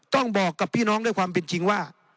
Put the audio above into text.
ต้องบอกกับพี่น้องด้วยความเป็นจริงว่า